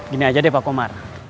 gini aja deh pak komar